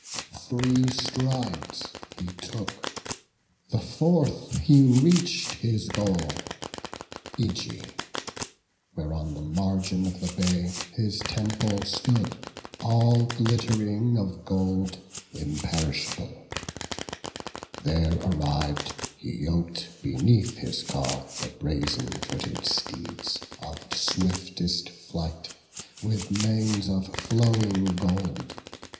Three strides he took; the fourth, he reach'd his goal, Ægae; where on the margin of the bay His temple stood, all glitt'ring, all of gold, Imperishable; there arriv'd, he yok'd Beneath his car the brazen footed steeds, Of swiftest flight, with manes of flowing gold.